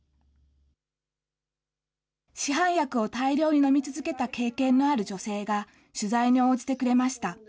市販薬を大量に飲み続けた経験のある女性が、取材に応じてくれました。